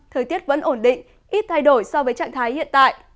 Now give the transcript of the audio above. thời tiết vẫn ổn định ít thay đổi so với trạng thái hiện tại